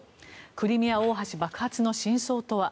クリミア大橋爆発の真相とは。